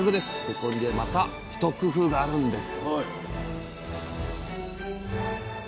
ここでまた一工夫があるんです